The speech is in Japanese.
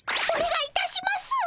おねがいいたします！